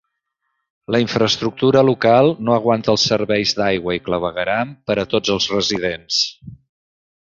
La infraestructura local no aguanta els serveis d'aigua i clavegueram per a tots els residents.